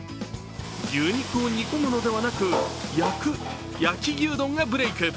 牛肉を煮込むのではなく焼く、焼き牛丼がブレーク。